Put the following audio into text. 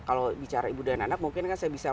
kalau bicara ibu dan anak mungkin kan saya bisa